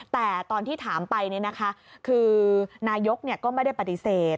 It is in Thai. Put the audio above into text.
แต่ตอนที่ถามไปคือนายกก็ไม่ได้ปฏิเสธ